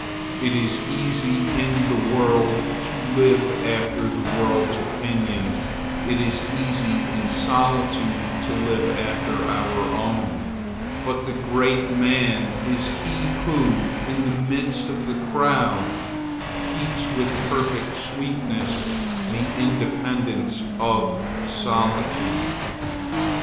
It is easy in the world to live after the world's opinion; it is easy in solitude to live after our own; but the great man is he who in the midst of the crowd keeps with perfect sweetness the independence of solitude.